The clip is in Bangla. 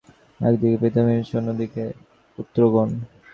একদিকে পিতামহ ভীষ্ম, অন্যদিকে পৌত্রগণ।